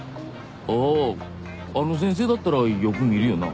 ああの先生だったらよく見るよな？